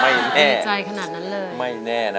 ไม่แน่ไม่แน่นะ